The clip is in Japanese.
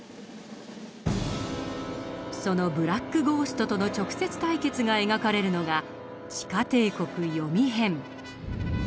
そのブラック・ゴーストとの直接対決が描かれるのが「地下帝国“ヨミ”編」。